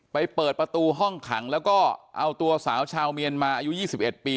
เปิดประตูห้องขังแล้วก็เอาตัวสาวชาวเมียนมาอายุ๒๑ปี